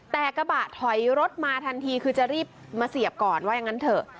แต่กระบะถอยรถมาทันทีคือจะรีบมาเสียบก่อนว่าอย่างนั้นเถอะ